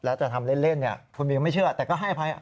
แล้วจะทำเล่นคุณมิวไม่เชื่อแต่ก็ให้อภัย